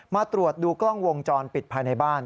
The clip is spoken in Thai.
มาดูกล้องวงจรปิดภายในบ้าน